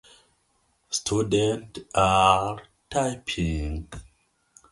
The company had no website and no Facebook page.